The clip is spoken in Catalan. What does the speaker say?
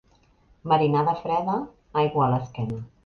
Marinada freda, aigua a l'esquena.